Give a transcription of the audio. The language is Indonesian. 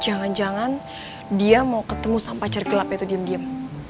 jangan jangan dia mau ketemu sama pacar gelap itu diem diem